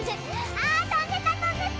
あ飛んでった飛んでった！